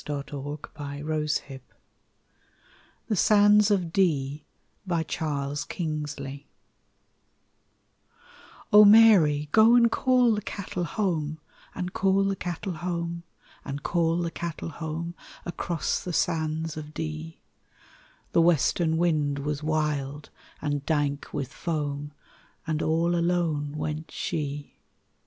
Author Unknown RAINBOW GOLD THE SANDS OF DEE "O MARY, go and call the cattle home, And call the cattle home, And call the cattle home Across the sands of Dee!" The western wind was wild and dank with foam, And all alone went she.